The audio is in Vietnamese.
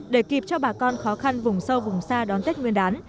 để kịp cho bà con khó khăn vùng sâu vùng xa đón tết nguyên đán